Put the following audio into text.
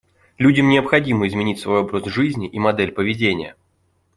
Людям необходимо изменить свой образ жизни и модель поведения.